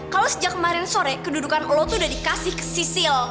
kalo sejak kemarin sore kedudukan lo tuh udah dikasih ke sisil